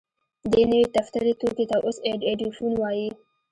دې نوي دفتري توکي ته اوس ايډيفون وايي.